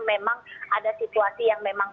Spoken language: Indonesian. memang ada situasi yang memang